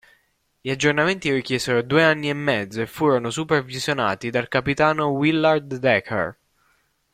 Gli aggiornamenti richiesero due anni e mezzo e furono supervisionati dal capitano Willard Decker.